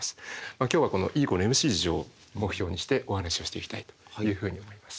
今日はこのＥ＝ｍｃを目標にしてお話をしていきたいというふうに思います。